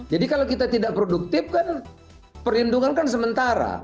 jadi kalau kita tidak produktif kan perlindungan kan sementara